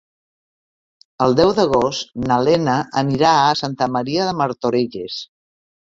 El deu d'agost na Lena anirà a Santa Maria de Martorelles.